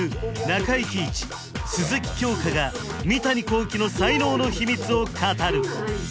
中井貴一鈴木京香が三谷幸喜の才能の秘密を語る！